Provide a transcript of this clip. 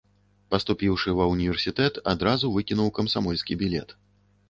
Паступіўшы ва ўніверсітэт, адразу выкінуў камсамольскі білет.